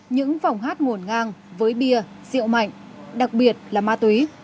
những phòng hát nguồn ngang với bia rượu mạnh đặc biệt là ma túy